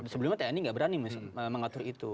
sebelumnya tni nggak berani mengatur itu